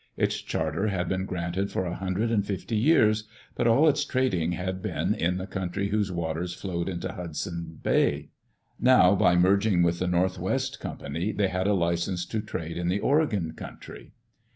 Its charter had been granted for a hundred and fifty years, but all Its trading had been in the country whose waters flowed into Hudson's Bay. Now by merg ing with the North West Company, they had a license to trade in the Oregon country.